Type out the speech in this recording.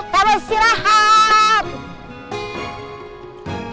kamu sih rahap